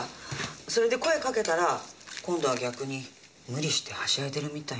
それで声かけたら今度は逆に無理してはしゃいでるみたいな。